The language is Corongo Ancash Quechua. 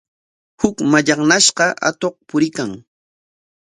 Huk mallaqnashqa atuq puriykan.